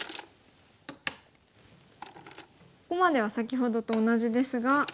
ここまでは先ほどと同じですが。